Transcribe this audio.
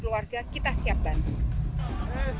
warga kita siap bantu